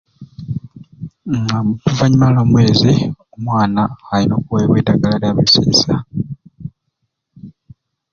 Uhhhm oluvanyuma lwa mwezi omwana ayina okuwebwa edagala lya bisiisa